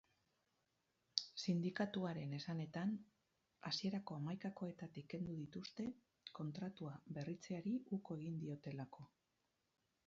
Sindikatuaren esanetan, hasierako hamaikakoetatik kendu dituzte kontratua berritzeari uko egin diotelako.